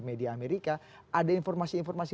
media amerika ada informasi informasi